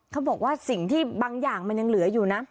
เขาบอกว่าสิ่งที่บางอย่างมันยังเหลืออยู่นะ